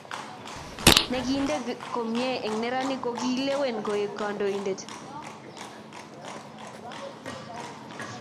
ne kinde komye eng' neranik ko kikilewen koeku kandoinde